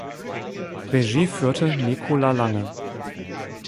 Regie führte Nikola Lange.